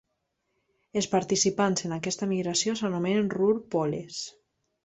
Els participants en aquesta migració s"anomenen Ruhr Poles.